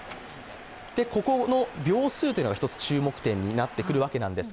ここの秒数が一つ注目点になってくるわけです。